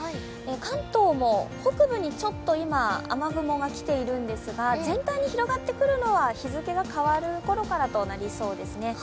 関東も北部にちょっと今、雨雲が来ているんですが全体に広がってくるのは日付が変わるころからとなりそうですね。